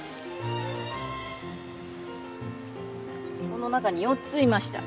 この中に４ついました。